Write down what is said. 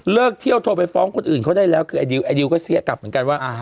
เที่ยวโทรไปฟ้องคนอื่นเขาได้แล้วคือไอดิวไอดิวก็เสี้ยกลับเหมือนกันว่า